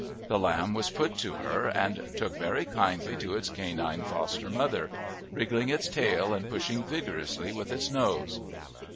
The lamb was put to her and took very kindly to its canine foster mother, wriggling its tail and pushing vigorously with its nose.